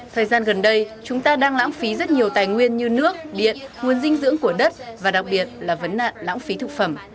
thời gian gần đây chúng ta đang lãng phí rất nhiều tài nguyên như nước điện nguồn dinh dưỡng của đất và đặc biệt là vấn nạn lãng phí thực phẩm